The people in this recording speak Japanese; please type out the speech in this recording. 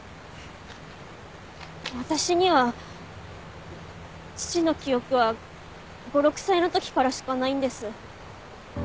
私には父の記憶は５６歳の時からしかないんです。